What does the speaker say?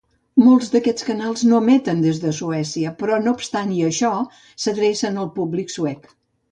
Molts d'aquests canals no emeten des de Suècia, però no obstant això, s'adrecen al públic suec.